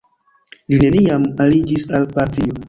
Li neniam aliĝis al partio.